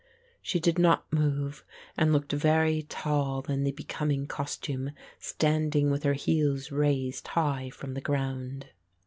She did not move and looked very tall in the becoming costume, standing with her heels raised high from the ground.